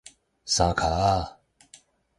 三跤仔